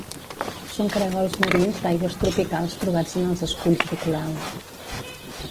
Són caragols marins d'aigües tropicals trobats en els esculls de coral.